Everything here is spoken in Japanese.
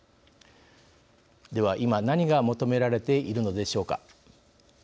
では、今何が求められているのでしょうか。